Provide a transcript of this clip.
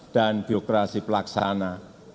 dan biokrasi pelaksana